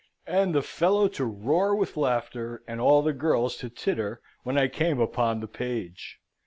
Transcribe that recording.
And the fellow to roar with laughter, and all the girls to titter, when I came upon the page!